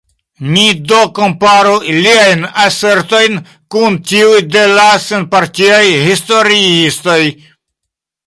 Ni do komparu liajn asertojn kun tiuj de la senpartiaj historiistoj.